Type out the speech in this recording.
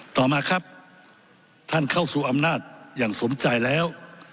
ต่อมาครับท่านเข้าสู่อำนาจอย่างสมใจแล้ว